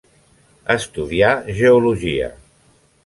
Estudià geologia.